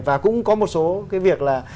và cũng có một số cái việc là